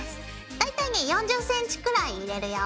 大体ね４０ｃｍくらい入れるよ。